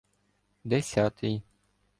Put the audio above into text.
Десятий